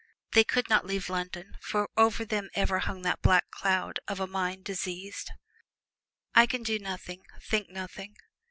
They could not leave London, for over them ever hung that black cloud of a mind diseased. "I can do nothing think nothing.